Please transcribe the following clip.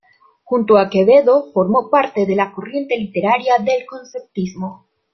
Junto a Quevedo formó parte de la corriente literaria del conceptismo.